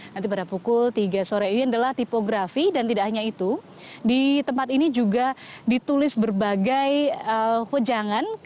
nanti pada pukul tiga sore ini adalah tipografi dan tidak hanya itu di tempat ini juga ditulis berbagai hujangan